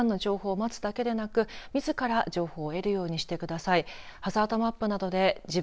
自治体からの避難の情報を待つだけでなくみずから情報を得るようにしてください。